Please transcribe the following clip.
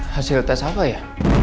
hasil tes apa ya